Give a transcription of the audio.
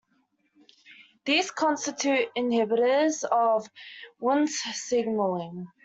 These constitute inhibitors of Wnt signaling.